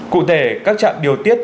cụ thể các trạm điều tiết